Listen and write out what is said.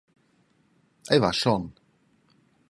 Ei va schon.